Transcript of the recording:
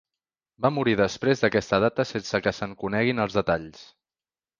Va morir després d'aquesta data sense que se'n coneguin els detalls.